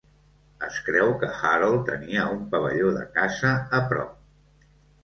Es creu que Harold tenia un pavelló de caça a prop.